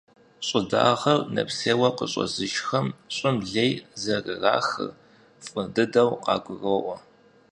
Щӏы дагъэр нэпсейуэ къыщӏэзышхэм щӏым лей зэрырахыр фӏы дыдэу къагуроӏуэ.